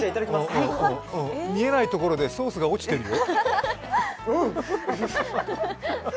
見えないところでソースが落ちてるよ。